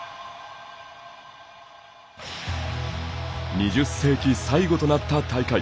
２０世紀最後となった大会。